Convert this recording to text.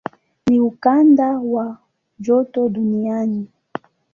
Ni ukanda wa joto duniani.